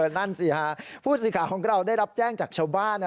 นั่นสิฮะผู้สื่อข่าวของเราได้รับแจ้งจากชาวบ้าน